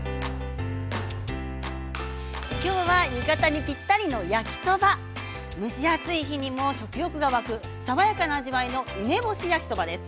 今日は浴衣にぴったりの焼きそば蒸し暑い日にも食欲が湧く爽やかな味わいの梅干し焼きそばです。